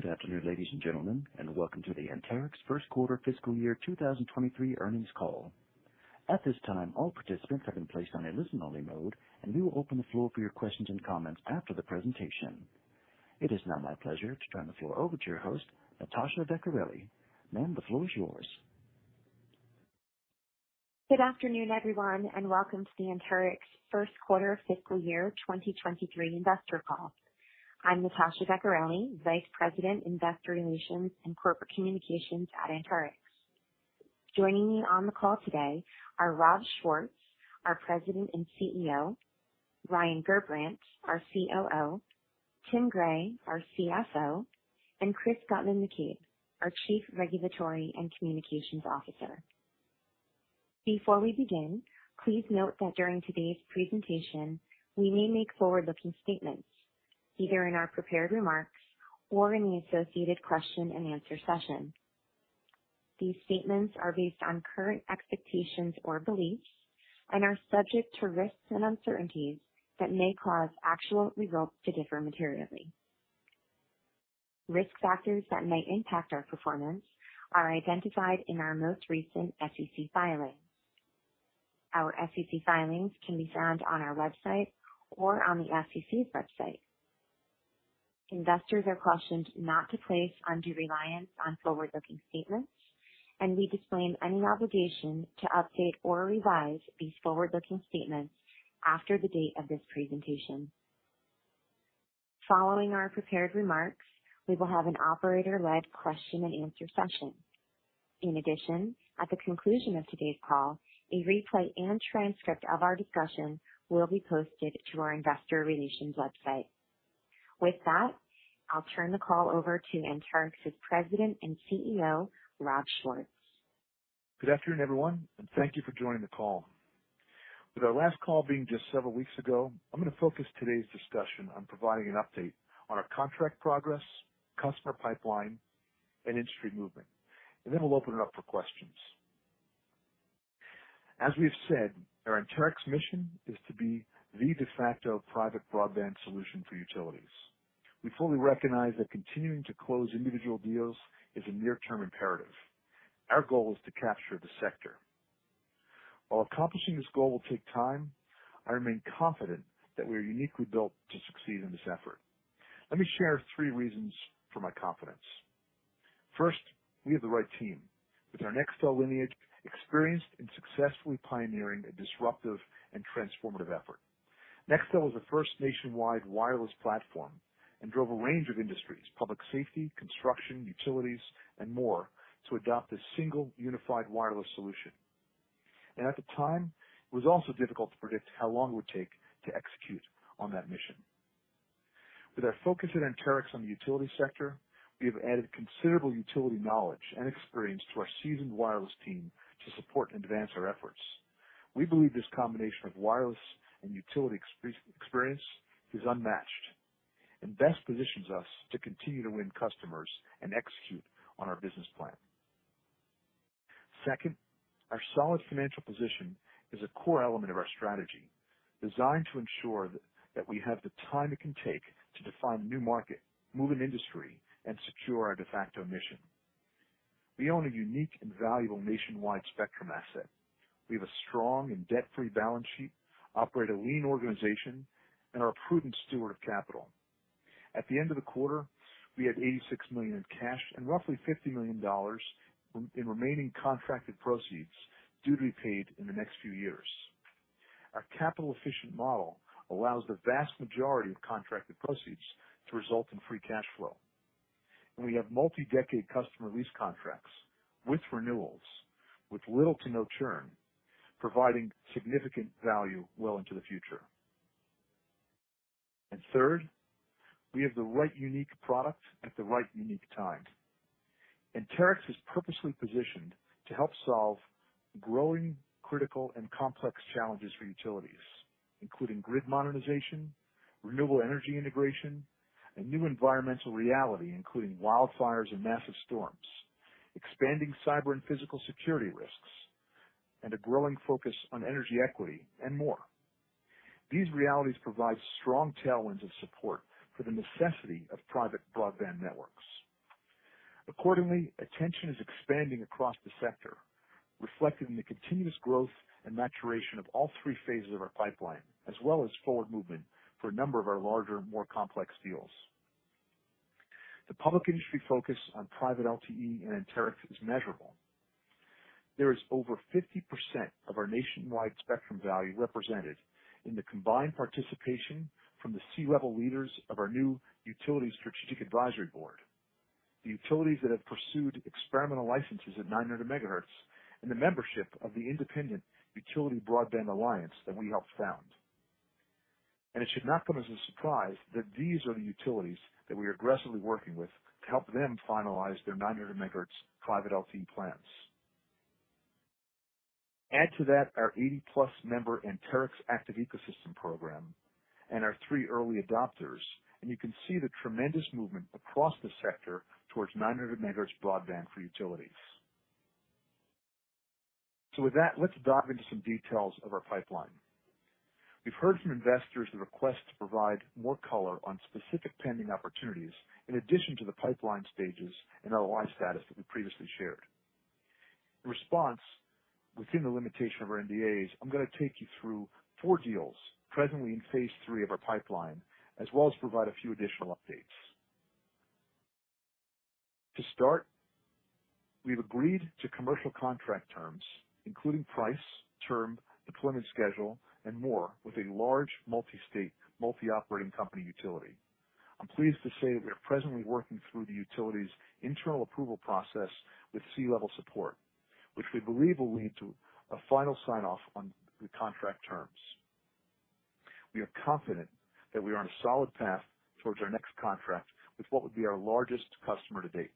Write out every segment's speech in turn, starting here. Good afternoon, ladies and gentlemen, and welcome to the Anterix first quarter fiscal year 2023 earnings call. At this time, all participants have been placed on a listen only mode, and we will open the floor for your questions and comments after the presentation. It is now my pleasure to turn the floor over to your host, Natasha Vecchiarelli. Ma'am, the floor is yours. Good afternoon, everyone, and welcome to the Anterix first quarter fiscal year 2023 investor call. I'm Natasha Vecchiarelli, Vice President, Investor Relations and Corporate Communications at Anterix. Joining me on the call today are Rob Schwartz, our President and CEO, Ryan Gerbrandt, our COO, Tim Gray, our CFO, and Chris Guttman-McCabe, our Chief Regulatory and Communications Officer. Before we begin, please note that during today's presentation, we may make forward-looking statements, either in our prepared remarks or in the associated question and answer session. These statements are based on current expectations or beliefs and are subject to risks and uncertainties that may cause actual results to differ materially. Risk factors that may impact our performance are identified in our most recent SEC filings. Our SEC filings can be found on our website or on the SEC's website. Investors are cautioned not to place undue reliance on forward-looking statements, and we disclaim any obligation to update or revise these forward-looking statements after the date of this presentation. Following our prepared remarks, we will have an operator-led question and answer session. In addition, at the conclusion of today's call, a replay and transcript of our discussion will be posted to our investor relations website. With that, I'll turn the call over to Anterix's President and CEO, Rob Schwartz. Good afternoon, everyone, and thank you for joining the call. With our last call being just several weeks ago, I'm gonna focus today's discussion on providing an update on our contract progress, customer pipeline, and industry movement, and then we'll open it up for questions. As we've said, our Anterix mission is to be the de facto private broadband solution for utilities. We fully recognize that continuing to close individual deals is a near term imperative. Our goal is to capture the sector. While accomplishing this goal will take time, I remain confident that we are uniquely built to succeed in this effort. Let me share three reasons for my confidence. First, we have the right team. With our Nextel lineage experienced in successfully pioneering a disruptive and transformative effort. Nextel was the first nationwide wireless platform and drove a range of industries, public safety, construction, utilities, and more to adopt a single unified wireless solution. At the time, it was also difficult to predict how long it would take to execute on that mission. With our focus at Anterix on the utility sector, we have added considerable utility knowledge and experience to our seasoned wireless team to support and advance our efforts. We believe this combination of wireless and utility experience is unmatched and best positions us to continue to win customers and execute on our business plan. Second, our solid financial position is a core element of our strategy, designed to ensure that we have the time it can take to define a new market, move an industry, and secure our de facto mission. We own a unique and valuable nationwide spectrum asset. We have a strong and debt-free balance sheet, operate a lean organization, and are a prudent steward of capital. At the end of the quarter, we had $86 million in cash and roughly $50 million in remaining contracted proceeds due to be paid in the next few years. Our capital efficient model allows the vast majority of contracted proceeds to result in free cash flow. We have multi-decade customer lease contracts with renewals with little to no churn, providing significant value well into the future. Third, we have the right unique product at the right unique time. Anterix is purposely positioned to help solve growing critical and complex challenges for utilities, including grid modernization, renewable energy integration, a new environmental reality, including wildfires and massive storms, expanding cyber and physical security risks, and a growing focus on energy equity and more. These realities provide strong tailwinds of support for the necessity of private broadband networks. Accordingly, attention is expanding across the sector, reflected in the continuous growth and maturation of all three phases of our pipeline, as well as forward movement for a number of our larger, more complex deals. The public industry focus on Private LTE and Anterix is measurable. There is over 50% of our nationwide spectrum value represented in the combined participation from the C-level leaders of our new Utility Strategic Advisory Board, the utilities that have pursued experimental licenses at 900 MHz, and the membership of the Utility Broadband Alliance that we helped found. It should not come as a surprise that these are the utilities that we are aggressively working with to help them finalize their 900 MHz Private LTE plans. Add to that our 80-plus member Anterix Active Ecosystem program and our three early adopters, and you can see the tremendous movement across the sector towards 900 MHz broadband for utilities. With that, let's dive into some details of our pipeline. We've heard from investors the request to provide more color on specific pending opportunities in addition to the pipeline stages and ROI status that we previously shared. In response, within the limitation of our NDAs, I'm gonna take you through four deals presently in phase III of our pipeline, as well as provide a few additional updates. To start, we've agreed to commercial contract terms including price, term, deployment schedule, and more with a large multi-state, multi-operating company utility. I'm pleased to say that we are presently working through the utility's internal approval process with C-level support, which we believe will lead to a final sign-off on the contract terms. We are confident that we are on a solid path towards our next contract with what would be our largest customer to date.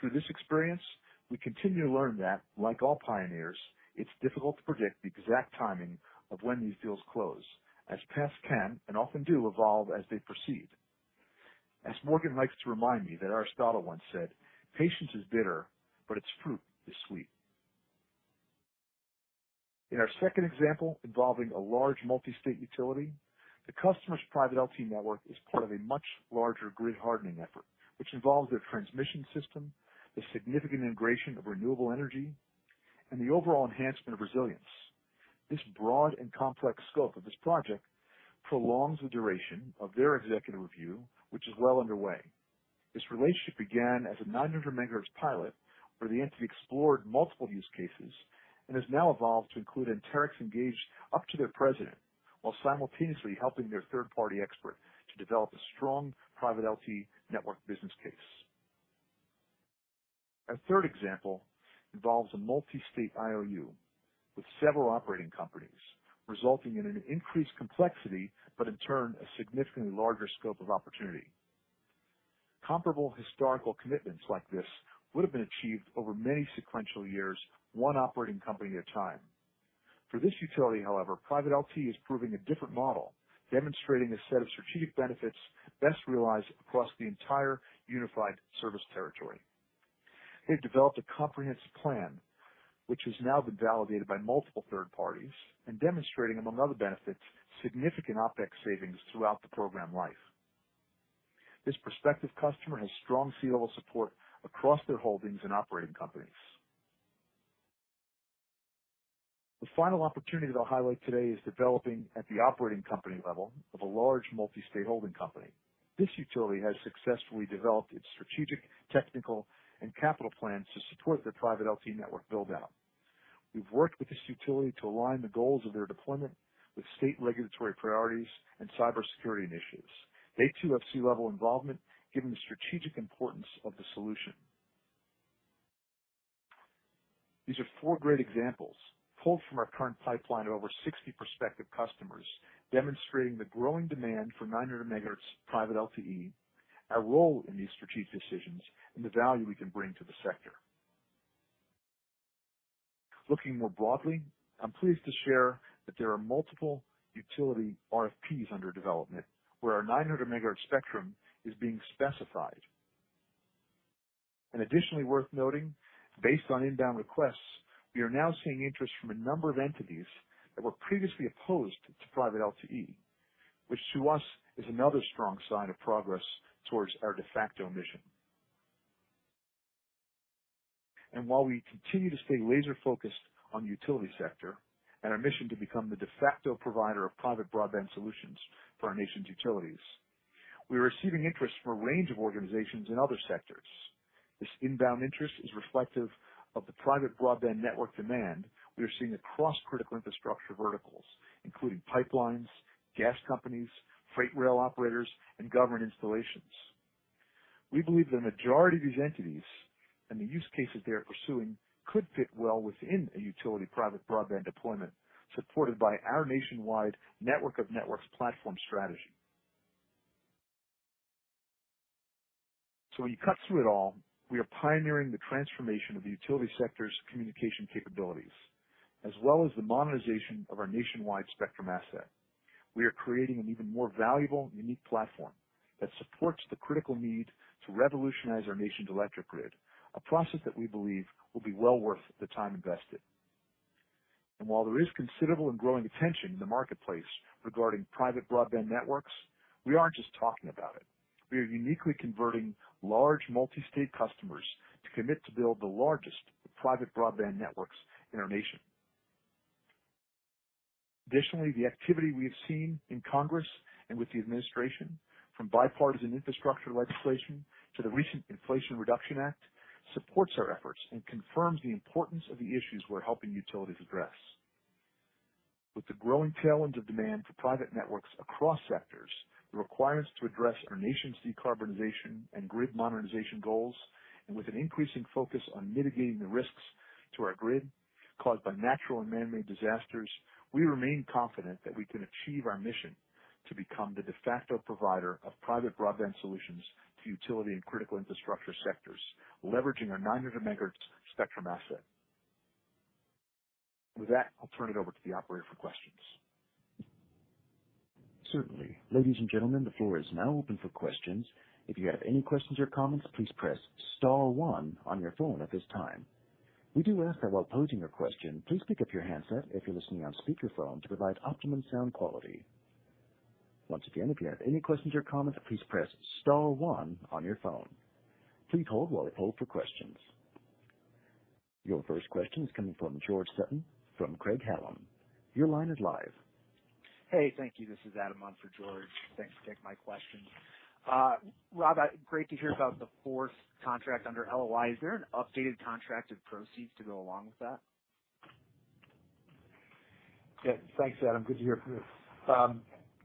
Through this experience, we continue to learn that, like all pioneers, it's difficult to predict the exact timing of when these deals close, as paths can and often do evolve as they proceed. As Morgan likes to remind me that Aristotle once said, "Patience is bitter, but its fruit is sweet." In our second example, involving a large multi-state utility, the customer's Private LTE network is part of a much larger grid hardening effort, which involves their transmission system, the significant integration of renewable energy, and the overall enhancement of resilience. This broad and complex scope of this project prolongs the duration of their executive review, which is well underway. This relationship began as a 900 MHz pilot where the entity explored multiple use cases and has now evolved to include Anterix engaged up to their president while simultaneously helping their third-party expert to develop a strong Private LTE network business case. Our third example involves a multi-state IOU with several operating companies, resulting in an increased complexity, but in turn, a significantly larger scope of opportunity. Comparable historical commitments like this would have been achieved over many sequential years, one operating company at a time. For this utility, however, Private LTE is proving a different model, demonstrating a set of strategic benefits best realized across the entire unified service territory. They've developed a comprehensive plan which has now been validated by multiple third parties and demonstrating, among other benefits, significant OPEX savings throughout the program life. This prospective customer has strong C-level support across their holdings and operating companies. The final opportunity that I'll highlight today is developing at the operating company level of a large multi-state holding company. This utility has successfully developed its strategic, technical, and capital plans to support their Private LTE network build-out. We've worked with this utility to align the goals of their deployment with state regulatory priorities and cybersecurity initiatives. They too have C-level involvement, given the strategic importance of the solution. These are four great examples pulled from our current pipeline of over 60 prospective customers, demonstrating the growing demand for 900 MHz Private LTE, our role in these strategic decisions, and the value we can bring to the sector. Looking more broadly, I'm pleased to share that there are multiple utility RFPs under development where our 900 MHz spectrum is being specified. Additionally worth noting, based on inbound requests, we are now seeing interest from a number of entities that were previously opposed to Private LTE, which to us is another strong sign of progress towards our de facto mission. While we continue to stay laser-focused on the utility sector and our mission to become the de facto provider of private broadband solutions for our nation's utilities, we're receiving interest from a range of organizations in other sectors. This inbound interest is reflective of the private broadband network demand we are seeing across critical infrastructure verticals, including pipelines, gas companies, freight rail operators, and government installations. We believe the majority of these entities and the use cases they are pursuing could fit well within a utility private broadband deployment, supported by our nationwide network of networks platform strategy. When you cut through it all, we are pioneering the transformation of the utility sector's communication capabilities as well as the monetization of our nationwide spectrum asset. We are creating an even more valuable and unique platform that supports the critical need to revolutionize our nation's electric grid, a process that we believe will be well worth the time invested. While there is considerable and growing attention in the marketplace regarding private broadband networks, we aren't just talking about it. We are uniquely converting large multi-state customers to commit to build the largest private broadband networks in our nation. Additionally, the activity we have seen in Congress and with the administration, from bipartisan infrastructure legislation to the recent Inflation Reduction Act, supports our efforts and confirms the importance of the issues we're helping utilities address. With the growing tailwind of demand for private networks across sectors, the requirements to address our nation's decarbonization and grid modernization goals, and with an increasing focus on mitigating the risks to our grid caused by natural and man-made disasters, we remain confident that we can achieve our mission to become the de facto provider of private broadband solutions to utility and critical infrastructure sectors, leveraging our 900 MHz spectrum asset. With that, I'll turn it over to the operator for questions. Certainly. Ladies and gentlemen, the floor is now open for questions. If you have any questions or comments, please press star one on your phone at this time. We do ask that while posing your question, please pick up your handset if you're listening on speakerphone to provide optimum sound quality. Once again, if you have any questions or comments, please press star one on your phone. Please hold while we hold for questions. Your first question is coming from George Sutton from Craig-Hallum. Your line is live. Hey, thank you. This is Adam on for George. Thanks for taking my question. Rob, great to hear about the fourth contract under LOI. Is there an updated contracted proceeds to go along with that? Yeah. Thanks, Adam. Good to hear from you.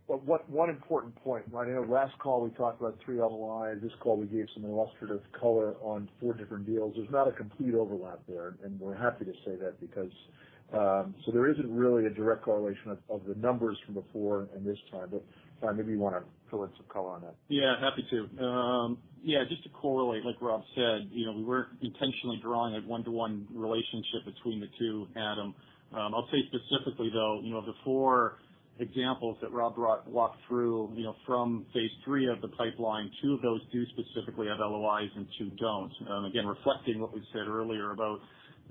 Well, one important point, right? I know last call we talked about thre LOI. This call we gave some illustrative color on four different deals. There's not a complete overlap there, and we're happy to say that because there isn't really a direct correlation of the numbers from before and this time. Ryan, maybe you wanna fill in some color on that. Yeah, happy to. Yeah, just to correlate, like Rob said, you know, we weren't intentionally drawing a one-to-one relationship between the two, Adam. I'll say specifically though, you know, the four examples that Rob brought, walked through, you know, from phase three of the pipeline, two of those do specifically have LOIs and two don't. Again, reflecting what we said earlier about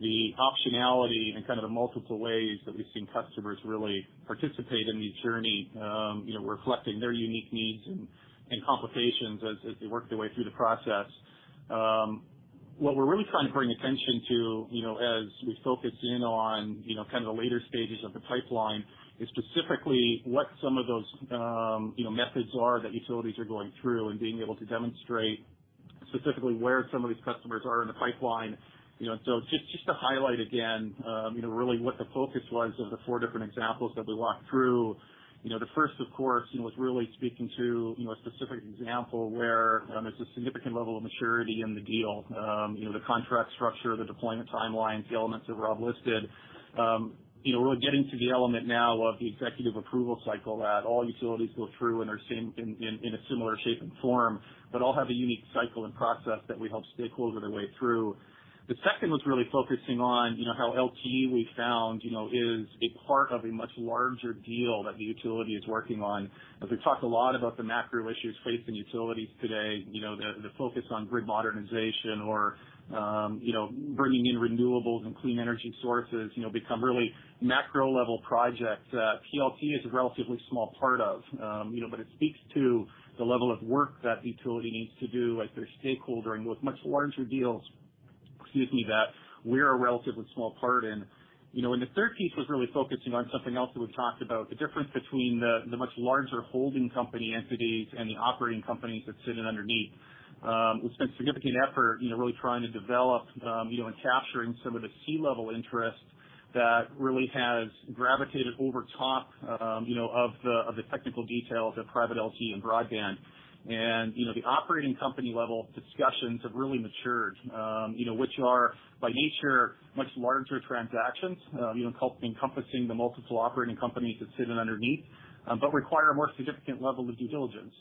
the optionality and kind of the multiple ways that we've seen customers really participate in the journey, you know, reflecting their unique needs and complications as they work their way through the process. What we're really trying to bring attention to, you know, as we focus in on, you know, kind of the later stages of the pipeline, is specifically what some of those, you know, methods are that utilities are going through and being able to demonstrate specifically where some of these customers are in the pipeline. You know, just to highlight again, you know, really what the focus was of the four different examples that we walked through. You know, the first of course, you know, was really speaking to, you know, a specific example where there's a significant level of maturity in the deal. You know, the contract structure, the deployment timelines, the elements that Rob listed. You know, we're getting to the element now of the executive approval cycle that all utilities go through in their same, in a similar shape and form. All have a unique cycle and process that we help stakeholder their way through. The second was really focusing on, you know, how LTE we found, you know, is a part of a much larger deal that the utility is working on. As we've talked a lot about the macro issues facing utilities today, you know, the focus on grid modernization or, you know, bringing in renewables and clean energy sources, you know, become really macro level projects, LTE is a relatively small part of. You know, it speaks to the level of work that the utility needs to do, like their stakeholdering with much larger deals, excuse me, that we're a relatively small part in. You know, the third piece was really focusing on something else that we've talked about, the difference between the much larger holding company entities and the operating companies that sit underneath. We've spent significant effort, you know, really trying to develop, you know, and capturing some of the C-level interest that really has gravitated over top, you know, of the technical details of private LTE and broadband. You know, the operating company level discussions have really matured, you know, which are by nature much larger transactions, encompassing the multiple operating companies that sit in underneath, but require a more significant level of due diligence.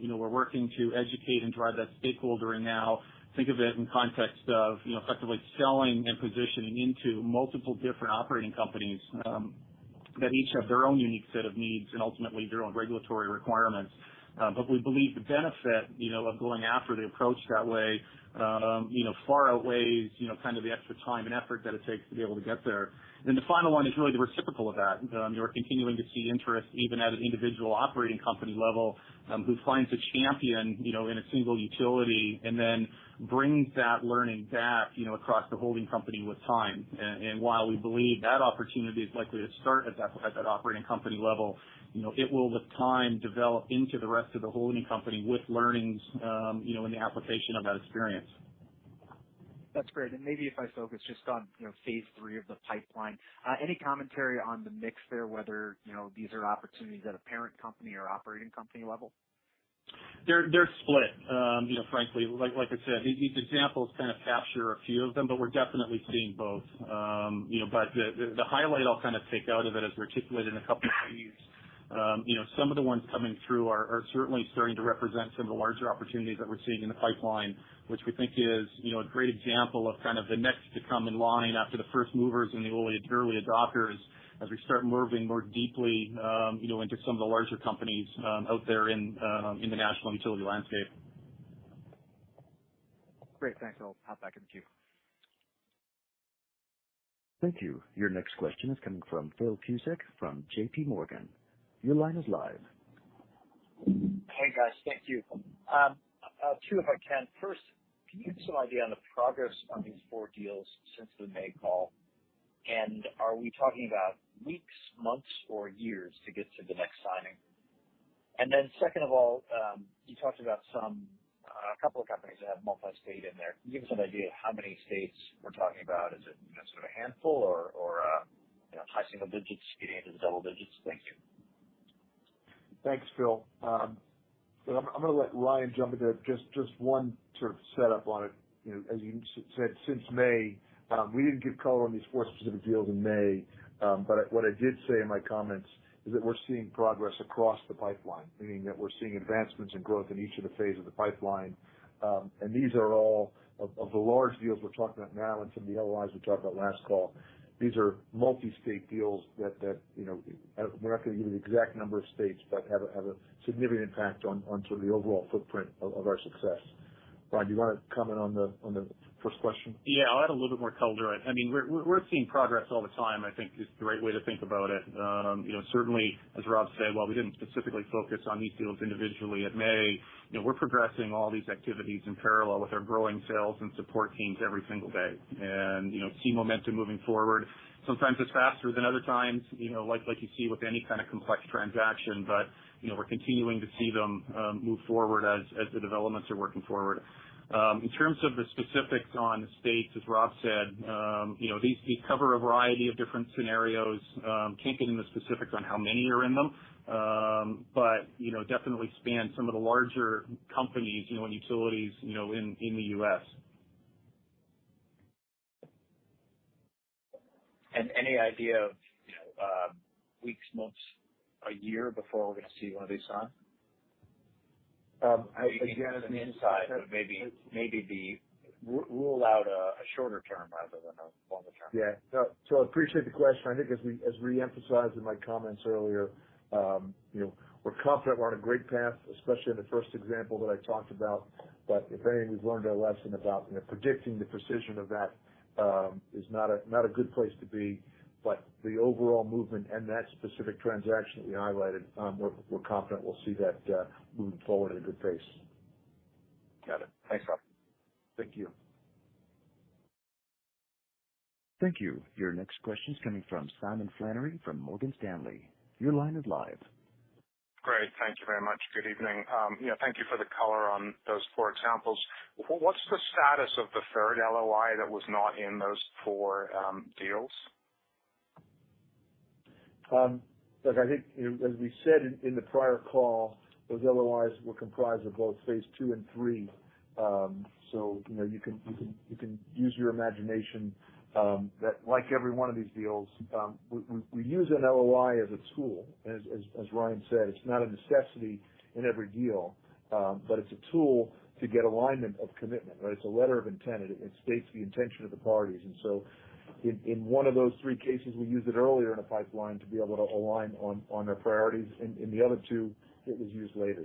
You know, we're working to educate and drive that stakeholdering now. Think of it in context of, you know, effectively selling and positioning into multiple different operating companies, that each have their own unique set of needs and ultimately their own regulatory requirements. But we believe the benefit, you know, of going after the approach that way, you know, far outweighs, you know, kind of the extra time and effort that it takes to be able to get there. The final one is really the reciprocal of that. You know, we're continuing to see interest even at an individual operating company level, who finds a champion, you know, in a single utility and then brings that learning back, you know, across the holding company with time. While we believe that opportunity is likely to start at that operating company level, you know, it will with time develop into the rest of the holding company with learnings, you know, in the application of that experience. That's great. Maybe if I focus just on, you know, phase three of the pipeline, any commentary on the mix there, whether, you know, these are opportunities at a parent company or operating company level? They're split. You know, frankly, like I said, these examples kind of capture a few of them, but we're definitely seeing both. You know, the highlight I'll kind of take out of it, as we articulated in a couple slides, you know, some of the ones coming through are certainly starting to represent some of the larger opportunities that we're seeing in the pipeline, which we think is, you know, a great example of kind of the next to come in line after the first movers and the early adopters as we start moving more deeply, you know, into some of the larger companies out there in the national utility landscape. Great. Thanks. I'll hop back in the queue. Thank you. Your next question is coming from Philip Cusick from JPMorgan. Your line is live. Hey, guys. Thank you. Two if I can. First, can you give some idea on the progress on these four deals since the May call, and are we talking about weeks, months, or years to get to the next signing? Second of all, you talked about a couple of companies that have multi-state in there. Can you give us an idea of how many states we're talking about? Is it, you know, sort of handful or you know, high single digits getting into the double digits? Thank you. Thanks, Phil. I'm gonna let Ryan jump in there. Just one sort of set up on it. You know, as you said since May, we didn't give color on these four specific deals in May, but what I did say in my comments is that we're seeing progress across the pipeline, meaning that we're seeing advancements and growth in each of the phase of the pipeline. These are all of the large deals we're talking about now and some of the LOIs we talked about last call. These are multi-state deals that, you know, we're not gonna give you the exact number of states, but have a significant impact on sort of the overall footprint of our success. Ryan, do you wanna comment on the first question? Yeah, I'll add a little bit more color to it. I mean, we're seeing progress all the time, I think is the right way to think about it. You know, certainly, as Rob said, while we didn't specifically focus on these deals individually at May, you know, we're progressing all these activities in parallel with our growing sales and support teams every single day. You know, see momentum moving forward. Sometimes it's faster than other times, you know, like you see with any kind of complex transaction. You know, we're continuing to see them, move forward as the developments are working forward. In terms of the specifics on the states, as Rob said, you know, these cover a variety of different scenarios. Can't get into specifics on how many are in them, but you know, definitely span some of the larger companies, you know, and utilities, you know, in the U.S.. Any idea of, you know, weeks, months, a year before we see one of these signed? Maybe you can't give an insight, but maybe rule out a shorter term rather than a longer term. Yeah. No, I appreciate the question. I think as we re-emphasized in my comments earlier, you know, we're confident we're on a great path, especially in the first example that I talked about. If anything, we've learned our lesson about, you know, predicting the precision of that is not a good place to be. The overall movement and that specific transaction that we highlighted, we're confident we'll see that moving forward at a good pace. Got it. Thanks, Rob. Thank you. Thank you. Your next question's coming from Simon Flannery from Morgan Stanley. Your line is live. Great. Thank you very much. Good evening. Yeah, thank you for the color on those four examples. What's the status of the third LOI that was not in those four deals? Look, I think, you know, as we said in the prior call, those LOIs were comprised of both phase two and three. You know, you can use your imagination, that like every one of these deals, we use an LOI as a tool. As Ryan said, it's not a necessity in every deal, but it's a tool to get alignment of commitment, right? It's a letter of intent. It states the intention of the parties. In one of those three cases, we used it earlier in the pipeline to be able to align on their priorities. In the other two, it was used later.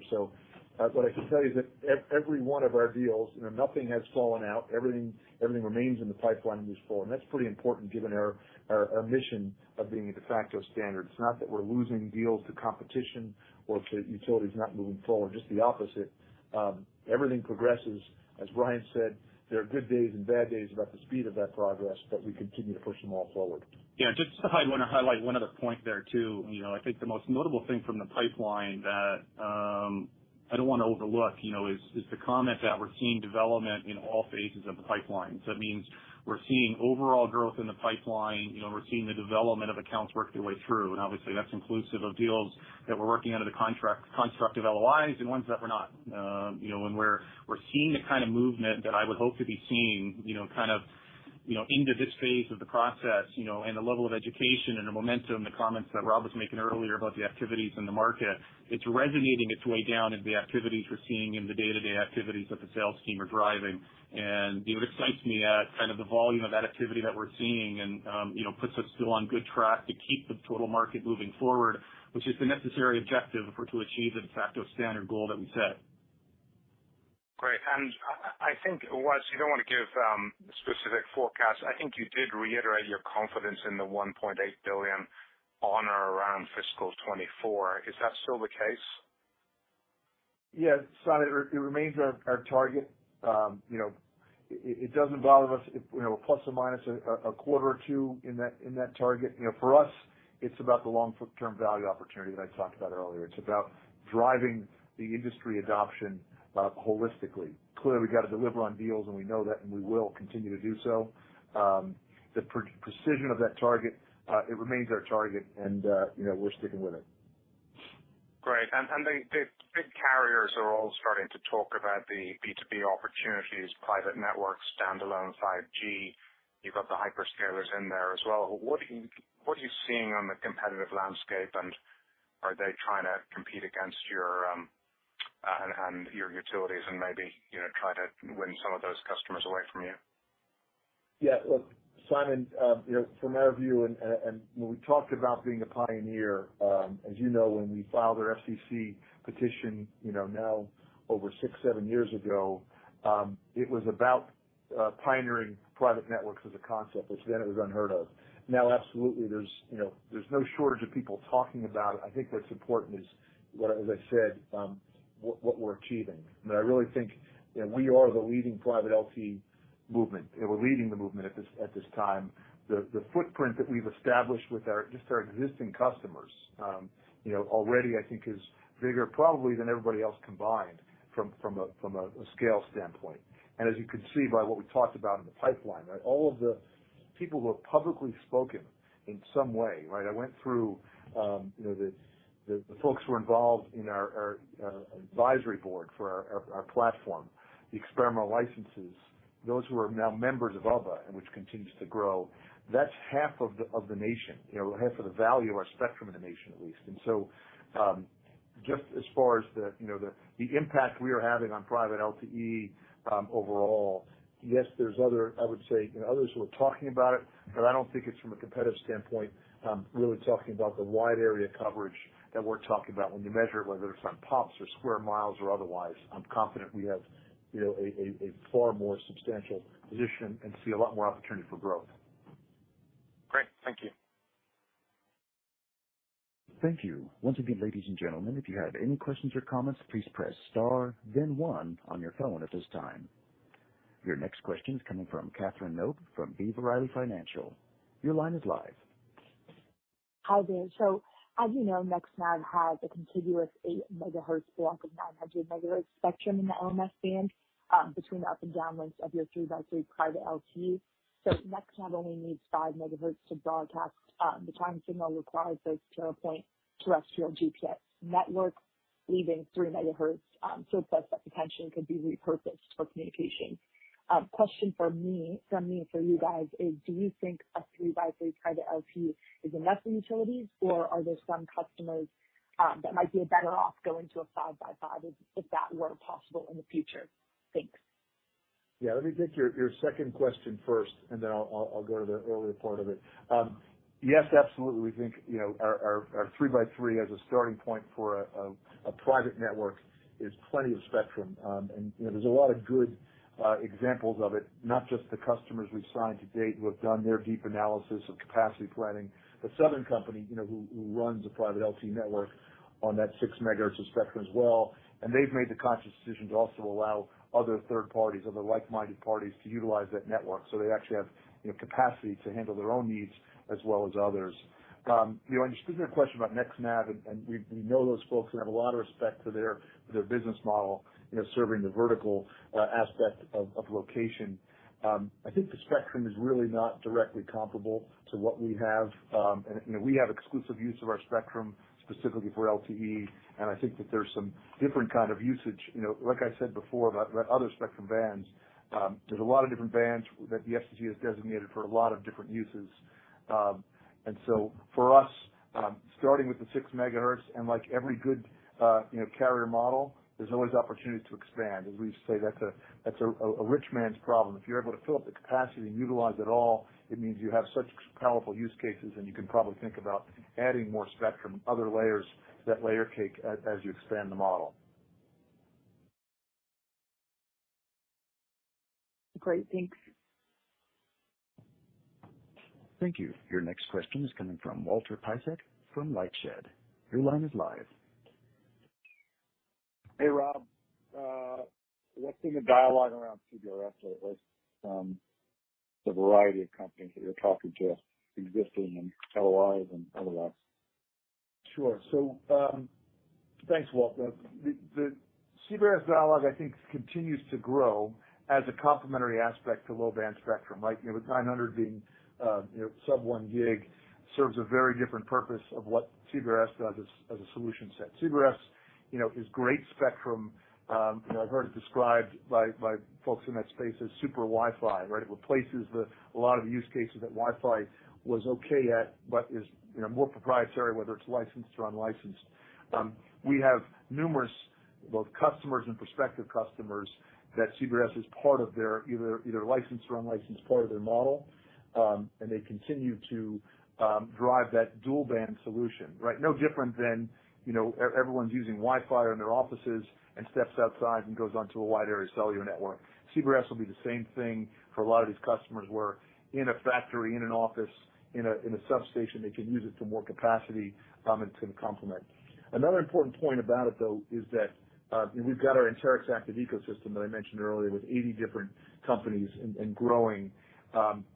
What I can tell you is that every one of our deals, you know, nothing has fallen out. Everything remains in the pipeline as before, and that's pretty important given our mission of being a de facto standard. It's not that we're losing deals to competition or to utilities not moving forward, just the opposite. Everything progresses. As Ryan said, there are good days and bad days about the speed of that progress, but we continue to push them all forward. Yeah, just to wanna highlight one other point there too. You know, I think the most notable thing from the pipeline that I don't wanna overlook, you know, is the comment that we're seeing development in all phases of the pipeline. It means we're seeing overall growth in the pipeline. You know, we're seeing the development of accounts work their way through, and obviously that's inclusive of deals that we're working under the contract construct of LOIs and ones that we're not. You know, and we're seeing the kind of movement that I would hope to be seeing, you know, kind of, you know, into this phase of the process, you know. The level of education and the momentum, the comments that Rob was making earlier about the activities in the market, it's resonating its way down into the activities we're seeing in the day-to-day activities that the sales team are driving. You know, it excites me, kind of the volume of that activity that we're seeing and, you know, puts us still on good track to keep the total market moving forward, which is the necessary objective for, to achieve the de facto standard goal that we set. Great. I think while you don't wanna give specific forecasts, I think you did reiterate your confidence in the $1.8 billion on or around fiscal 2024. Is that still the case? Yeah. Simon, it remains our target. You know, it doesn't bother us if, you know, plus or minus a quarter or two in that target. You know, for us, it's about the long-term value opportunity that I talked about earlier. It's about driving the industry adoption holistically. Clearly, we've gotta deliver on deals, and we know that, and we will continue to do so. The precision of that target, it remains our target and, you know, we're sticking with it. Great. The big carriers are all starting to talk about the B2B opportunities, private networks, standalone 5G. You've got the hyperscalers in there as well. What are you seeing on the competitive landscape, and are they trying to compete against you and your utilities and maybe, you know, try to win some of those customers away from you? Yeah. Look, Simon, you know, from our view and when we talked about being a pioneer, as you know, when we filed our FCC petition, you know, now over 6-7 years ago, it was about pioneering private networks as a concept, which then it was unheard of. Now, absolutely there's, you know, there's no shortage of people talking about it. I think what's important is what, as I said, what we're achieving. You know, I really think, you know, we are the leading private LTE movement, and we're leading the movement at this time. The footprint that we've established with just our existing customers, you know, already I think is bigger probably than everybody else combined from a scale standpoint. As you can see by what we talked about in the pipeline, right? All of the people who have publicly spoken in some way, right? I went through the folks who are involved in our platform, the experimental licenses, those who are now members of UBBA and which continues to grow. That's half of the nation. Half of the value of our spectrum in the nation, at least. Just as far as the impact we are having on private LTE, overall, yes, there's other. I would say others who are talking about it, but I don't think it's from a competitive standpoint, really talking about the wide area coverage that we're talking about. When you measure it, whether it's on pops or square miles or otherwise, I'm confident we have, you know, a far more substantial position and see a lot more opportunity for growth. Great. Thank you. Thank you. Once again, ladies and gentlemen, if you have any questions or comments, please press star then one on your phone at this time. Your next question is coming from Kathryn Noble from B. Riley Securities. Your line is live. Hi, Dan. As you know, NextNav has a contiguous 8 MHz block of 900 MHz spectrum in the LMS band, between the up and down links of your 3-by-3 private LTE. NextNav only needs 5 MHz to broadcast the time signal requires those to point terrestrial GPS networks, leaving 3 MHz, so it says that potentially could be repurposed for communication. Question from me for you guys is do you think a 3-by-3 private LTE is enough for utilities, or are there some customers that might be better off going to a 5-by-5 if that were possible in the future? Thanks. Yeah, let me take your second question first, and then I'll go to the earlier part of it. Yes, absolutely. We think our three-by-three as a starting point for a private network is plenty of spectrum. There's a lot of good examples of it, not just the customers we've signed to date who have done their deep analysis of capacity planning. The Southern Company, who runs a private LTE network on that 6 MHz of spectrum as well, and they've made the conscious decision to also allow other third parties, other like-minded parties to utilize that network. They actually have capacity to handle their own needs as well as others. You know, on your specific question about NextNav, and we know those folks and have a lot of respect for their business model, you know, serving the vertical aspect of location. I think the spectrum is really not directly comparable to what we have. You know, we have exclusive use of our spectrum specifically for LTE, and I think that there's some different kind of usage. You know, like I said before about the other spectrum bands, there's a lot of different bands that the FCC has designated for a lot of different uses. For us, starting with the 6 MHz and like every good, you know, carrier model, there's always opportunity to expand. As we say, that's a rich man's problem. If you're able to fill up the capacity and utilize it all, it means you have such powerful use cases, and you can probably think about adding more spectrum, other layers to that layer cake as you expand the model. Great. Thanks. Thank you. Your next question is coming from Walter Piecyk from LightShed. Your line is live. Hey, Rob. We're seeing a dialogue around CBRS, or at least, the variety of companies that you're talking to existing in LOIs and otherwise. Sure. Thanks, Walter. The CBRS dialogue, I think, continues to grow as a complementary aspect to low-band spectrum. Like, you know, with 900 being sub-1 GHz serves a very different purpose of what CBRS does as a solution set. CBRS, you know, is great spectrum. I've heard it described by folks in that space as Super Wi-Fi, right? It replaces a lot of the use cases that Wi-Fi was okay at, but is more proprietary whether it's licensed or unlicensed. We have numerous both customers and prospective customers that CBRS is part of their either licensed or unlicensed part of their model. They continue to drive that dual band solution, right? No different than, you know, everyone's using Wi-Fi in their offices and steps outside and goes onto a wide area cellular network. CBRS will be the same thing for a lot of these customers where in a factory, in an office, in a substation, they can use it for more capacity, and to complement. Another important point about it though is that, you know, we've got our Anterix Active Ecosystem that I mentioned earlier with 80 different companies and growing.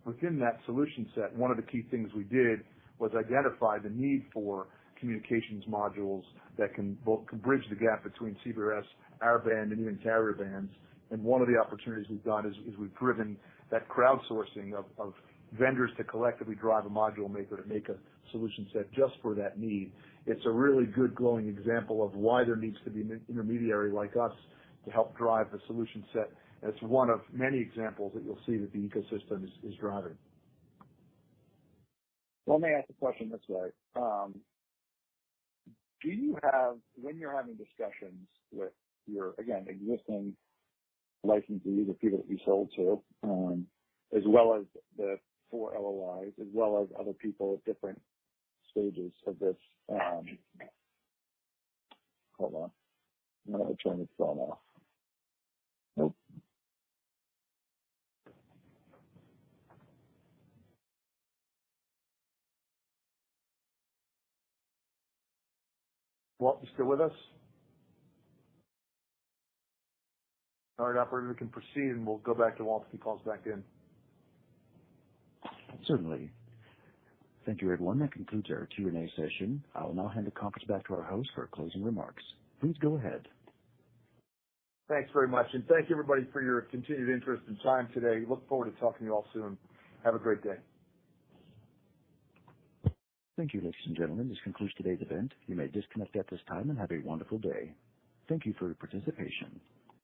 Within that solution set, one of the key things we did was identify the need for communications modules that can bridge the gap between CBRS, narrowband, and even carrier bands. One of the opportunities we've got is we've driven that crowdsourcing of vendors to collectively drive a module maker to make a solution set just for that need. It's a really good glowing example of why there needs to be an intermediary like us to help drive the solution set. It's one of many examples that you'll see that the ecosystem is driving. Let me ask a question this way. When you're having discussions with your, again, existing licensees or people that you sold to, as well as the four LOIs, as well as other people at different stages of this. Hold on. I'm gonna have to turn this phone off. Nope. Walter, you still with us? All right, operator, we can proceed, and we'll go back to Walter if he calls back in. Certainly. Thank you, everyone. That concludes our Q&A session. I will now hand the conference back to our host for closing remarks. Please go ahead. Thanks very much, and thank you, everybody, for your continued interest and time today. Look forward to talking to you all soon. Have a great day. Thank you, ladies and gentlemen. This concludes today's event. You may disconnect at this time and have a wonderful day. Thank you for your participation.